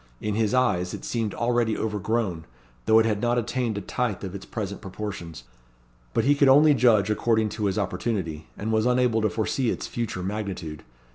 In his eyes it seemed already over grown, though it had not attained a tithe of its present proportions; but he could only judge according to his opportunity, and was unable to foresee its future magnitude.